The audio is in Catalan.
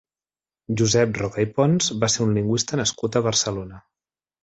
Josep Roca i Pons va ser un lingüista nascut a Barcelona.